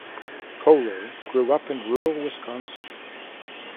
Koehler grew up in rural Wisconsin.